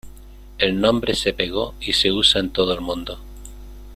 El nombre se pegó y se usa en todo el mundo.